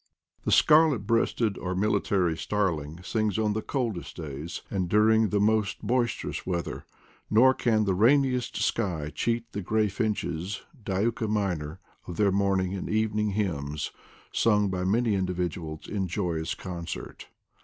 The scarlet breasted or military starling sings on the coldest days and during the most boisterous weather : nor can the rainiest sky cheat the gray finches, Diuca minor, of their morning and evening hymns, sung by many individuals in joyous concert.